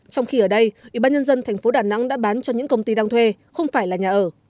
trong khi ở đây ủy ban nhân dân thành phố đà nẵng đã bán cho những công ty đang thuê không phải là nhà ở